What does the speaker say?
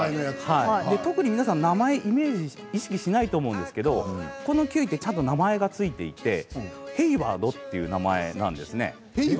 特に皆さん名前をイメージしないと思いますがこのキウイ、ちゃんと名前が付いていてヘイワードという名前なんです。